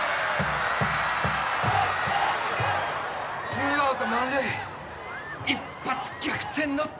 ツーアウト満塁一発逆転のチャンス。